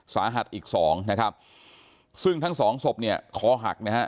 สาหัสอีกสองนะครับซึ่งทั้งสองศพเนี่ยคอหักนะฮะ